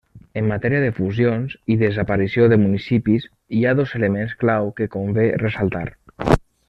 En matèria de fusions i desaparició de municipis hi ha dos elements clau que convé ressaltar.